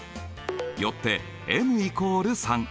よってｍ＝３。